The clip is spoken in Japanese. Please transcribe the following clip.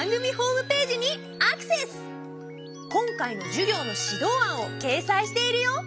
今回の授業の指導案をけいさいしているよ！